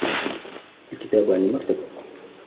الكتاب على المكتب.